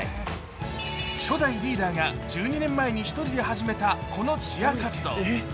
初代リーダーが１２年前に１人で始めたこのチア活動。